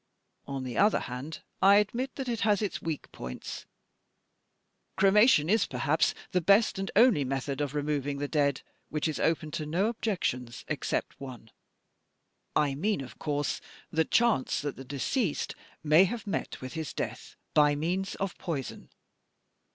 On the other hand, I admit that it has its weak points. Cremation is, perhaps, the best and only method of removing the dead which is open to no objections except one. I mean, of course, the chance that the deceased may have met with his death by means of poison.